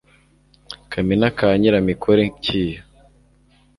kamina ka nyiramikore kiyo